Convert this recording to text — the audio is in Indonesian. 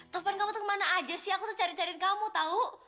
telepon kamu tuh kemana aja sih aku tuh cari cariin kamu tau